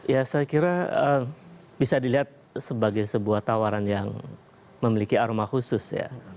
ya saya kira bisa dilihat sebagai sebuah tawaran yang memiliki aroma khusus ya